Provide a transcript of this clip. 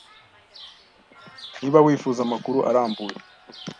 Niba wifuza amakuru arambuye,